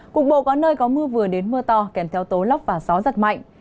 cục bộ có nơi có mưa vừa đến mưa to kèm theo tố lốc và gió giật mạnh